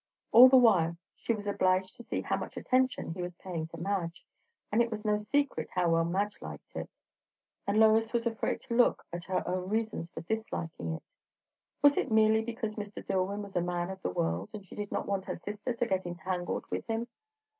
All the while she was obliged to see how much attention he was paying to Madge, and it was no secret how well Madge liked it; and Lois was afraid to look at her own reasons for disliking it. Was it merely because Mr. Dillwyn was a man of the world, and she did not want her sister to get entangled with him?